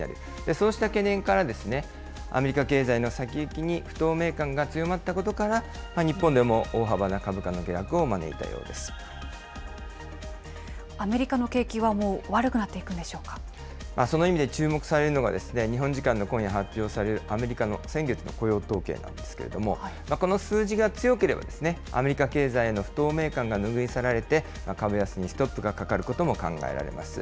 そうした懸念から、アメリカ経済の先行きに不透明感が強まったことから、日本でも大幅な株価の下アメリカの景気はもう悪くなその意味で注目されるのが、日本時間の今夜発表される、アメリカの先月の雇用統計なんですけれども、この数字が強ければ、アメリカ経済への不透明感が拭いさられて、株安にストップがかかることも考えられます。